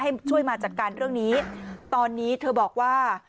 ให้ช่วยมาจัดการเรื่องนี้ตอนนี้เธอบอกว่า